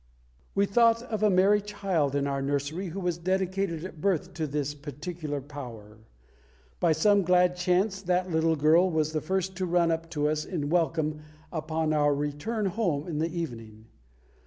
We thought of a merry child in our nursery who was dedicated at birth to this particular Power. By some glad chance that little girl was the first to run up to us in welcome upon our return home in the evening.